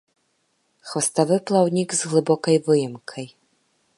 Хваставы плаўнік з глыбокай выемкай.